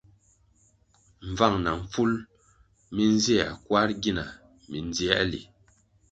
Mbvang na mpful mi nzier kwar gina mindzierli.